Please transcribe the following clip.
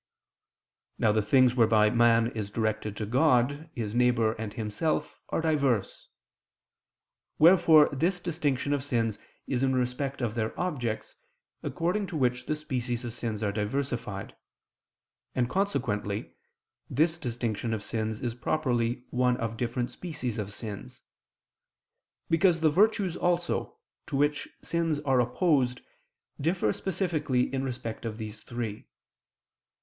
Now the things whereby man is directed to God, his neighbor, and himself are diverse. Wherefore this distinction of sins is in respect of their objects, according to which the species of sins are diversified: and consequently this distinction of sins is properly one of different species of sins: because the virtues also, to which sins are opposed, differ specifically in respect of these three.